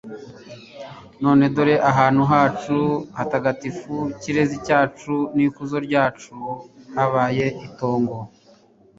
none dore ahantu hacu hatagatifu, kirezi cyacu n'ikuzo ryacu, habaye itongo